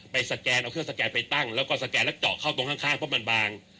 สแกนเอาเครื่องสแกนไปตั้งแล้วก็สแกนแล้วเจาะเข้าตรงข้างเพราะมันบาง